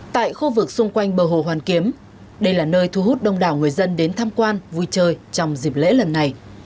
tại khu vực xung quanh bờ hồ hoàn kiếm đây là nơi thu hút đông đảo người dân đến tham quan vui chơi trong dịp lễ lần này